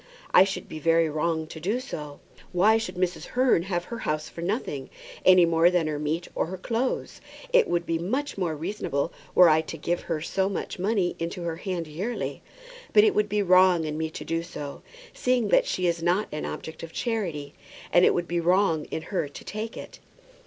I should be very wrong to do so. Why should Mrs. Hearn have her house for nothing, any more than her meat or her clothes? It would be much more reasonable were I to give her so much money into her hand yearly; but it would be wrong in me to do so, seeing that she is not an object of charity; and it would be wrong in her to take it."